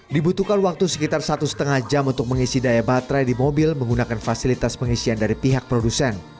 dibutuhkan waktu sekitar satu lima jam untuk mengisi daya baterai di mobil menggunakan fasilitas pengisian dari pihak produsen